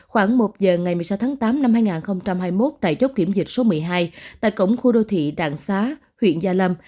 khoảng một giờ ngày một mươi sáu tháng tám năm hai nghìn hai mươi một tại chốt kiểm dịch số một mươi hai tại cổng khu đô thị đạng xá huyện gia lâm